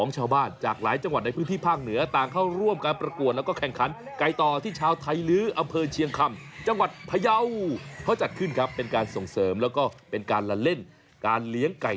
อยากรู้อย่างนี้อะไร